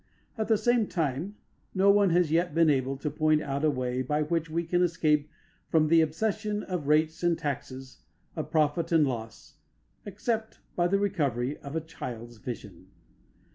At the same time, no one has yet been able to point out a way by which we can escape from the obsession of rates and taxes, of profit and loss, except by the recovery of the child's vision.